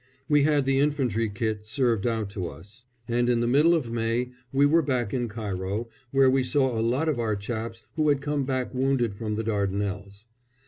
We had the infantry kit served out to us, and in the middle of May we were back in Cairo, where we saw a lot of our chaps who had come back wounded from the Dardanelles.